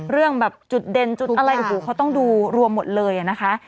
เรื่องแบบจุดเด่นจุดอะไรโอ้โหเขาต้องดูรวมหมดเลยนะคะ